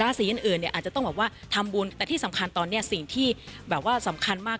สีอื่นเนี่ยอาจจะต้องแบบว่าทำบุญแต่ที่สำคัญตอนนี้สิ่งที่แบบว่าสำคัญมาก